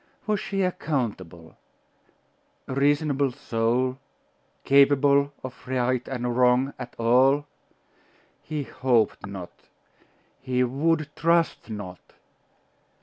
Was she accountable? A reasonable soul, capable of right or wrong at all? He hoped not .... He would trust not....